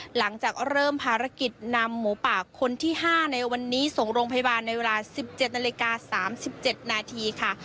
หลังจากเริ่มภารกิจนำหมูปากคนที่ห้าในวันนี้ส่งโรงพยาบาลในเวลาสิบเจ็ดนาฬิกาสามสิบเจ็ดนาทีค่ะ